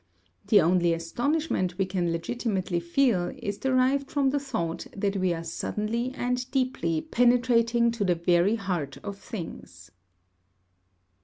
The only astonishment we can legitimately feel is derived from the thought that we are suddenly and deeply penetrating to the very heart of things.